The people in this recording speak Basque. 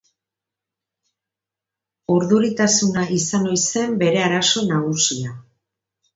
Urduritasuna izan ohi zen bere arazo nagusia.